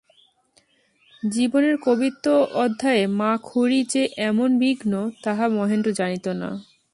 জীবনের কবিত্ব-অধ্যায়ে মা খুড়ী যে এমন বিঘ্ন, তাহা মহেন্দ্র জানিত না।